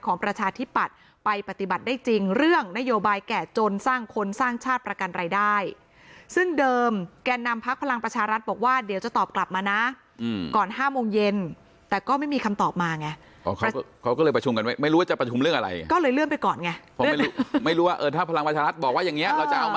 อ๋อเขาก็เลยประชุมกันไม่รู้ว่าจะประชุมเรื่องอะไร